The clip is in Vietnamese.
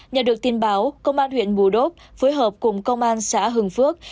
nhờ được tin báo công an huyện bù đốp phối hợp cùng công an xã hừng phước